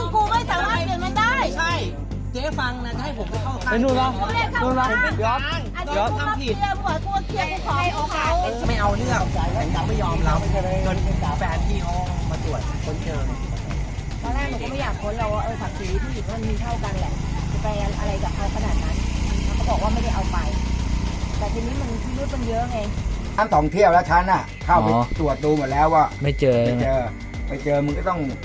เกรงงานมันเนี่ยอย่างไงมีแห่งคน